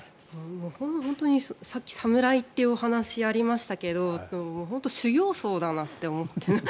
本当にさっき侍というお話がありましたけど本当に修行僧だなって思って。